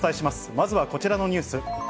まずはこちらのニュース。